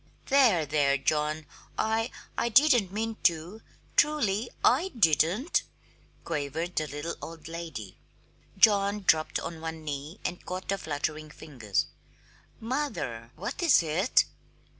"There, there, John, I I didn't mean to truly I didn't!" quavered the little old lady. John dropped on one knee and caught the fluttering fingers. "Mother, what is it?"